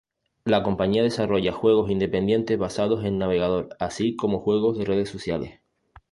La compañía desarrolla juegos independientes basados en navegador, así como juegos de redes sociales.